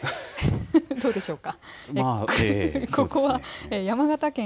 どうでしょうか。